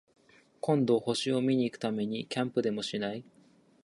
今度、星を見に行くためにキャンプでもしない？